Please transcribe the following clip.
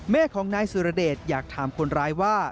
แม่ของนายสุรเดชอยากถามคนร้ายว่า